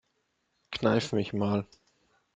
Kneif mich mal.